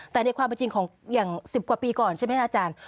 แต่ในความเป็นจริงของอย่าง๑๐กว่าปีก่อนใช่ไหมคะอาจารย์